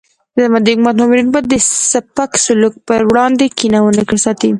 زما د حکومت مامورین به د سپک سلوک پر وړاندې کینه ونه ساتي.